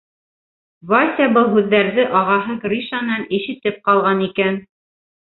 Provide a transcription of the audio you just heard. Вася был һүҙҙәрҙе ағаһы Гришнан ишетеп ҡалған икән.